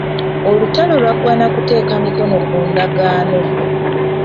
Olutalo lwaggwa na kuteeka mikono ku ndagaano.